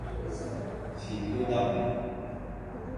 鐵觀音